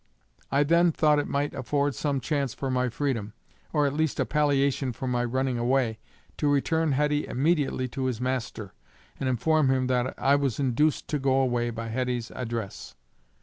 I then thought it might afford some chance for my freedom, or at least a palliation for my running away, to return Heddy immediately to his master, and inform him that I was induced to go away by Heddy's address.